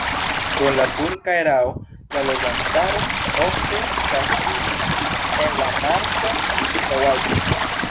Dum la turka erao la loĝantaro ofte kaŝiĝis en la marĉa ĉirkaŭaĵo.